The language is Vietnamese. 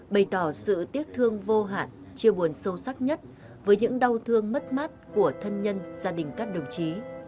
bày tỏ sự tiếc thương vô hạn chia buồn sâu sắc nhất với những đau thương mất mát của thân nhân gia đình các đồng chí